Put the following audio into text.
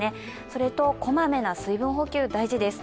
それと、こまめな水分補給大事です。